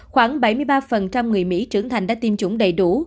khoảng bảy mươi ba người mỹ trưởng thành đã tiêm chủng đầy đủ